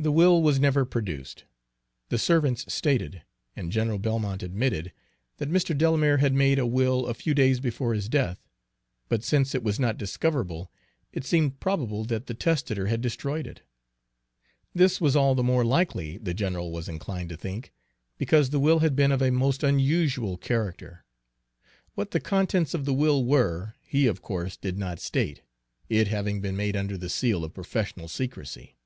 The will was never produced. The servants stated, and General Belmont admitted, that Mr. Delamere had made a will a few days before his death; but since it was not discoverable, it seemed probable that the testator had destroyed it. This was all the more likely, the general was inclined to think, because the will had been of a most unusual character. What the contents of the will were, he of course did not state, it having been made under the seal of professional secrecy.